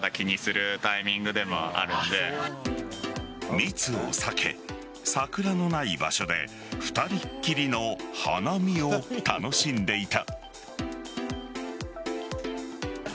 密を避け、桜のない場所で２人っきりの花見を楽しんでいた。